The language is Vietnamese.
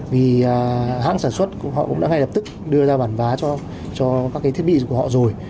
vì hãng sản xuất họ cũng đã ngay lập tức đưa ra bản vá cho các cái thiết bị của họ rồi